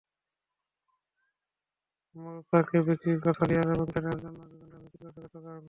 মোরাতাকে বিক্রির কথা রিয়াল এবং কেনার কথা জুভেন্টাস নিশ্চিত করেছে গতকাল।